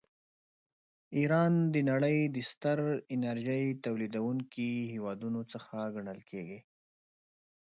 ایران د نړۍ د ستر انرژۍ تولیدونکي هېوادونه ګڼل کیږي.